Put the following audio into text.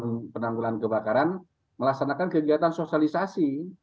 dan kita dan dinas penanggulan kebakaran melaksanakan kegiatan sosialisasi